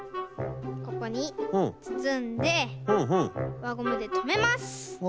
ここにつつんでわゴムでとめます。